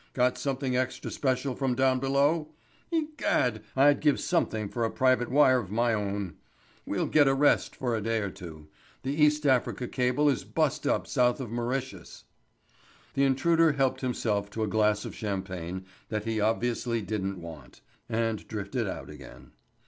"Got something extra special from down below? Egad, I'd give something for a private wire of my own! We'll get a rest for a day or two. The East Africa cable is bust up south of Mauritius." The intruder helped himself to a glass of champagne that he obviously didn't want, and drifted out again.